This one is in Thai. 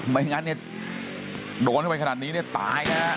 ไม่งั้นเนี่ยโดนเข้าไปขนาดนี้เนี่ยตายนะฮะ